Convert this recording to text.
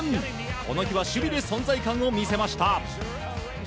この日は守備で存在感を見せました。